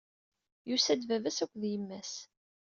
Yusa-d baba-s akked d yemma-s.